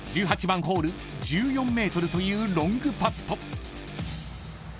［１８番ホール１４ｍというロングパット］